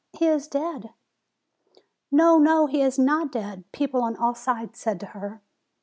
He is dead !" "No, no; he is not dead," people on all sides said to her.